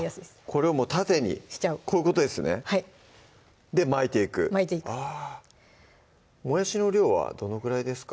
これをもう縦にしちゃうこういうことですねで巻いていく巻いていくもやしの量はどのぐらいですか？